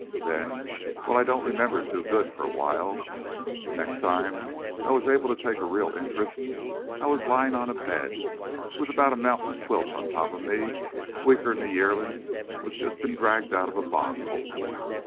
Then ... well, I don't remember too good for a while. Next time I was able to take a real interest I was lyin' on a bed with about a mountain of quilts on top me, weaker'n a yearlin' what's jus' been dragged outta a bog hole.